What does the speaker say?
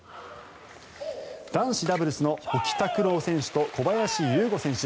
男子ダブルスの保木卓朗選手と小林優吾選手